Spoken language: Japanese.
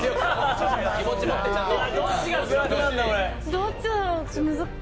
どっちだろう。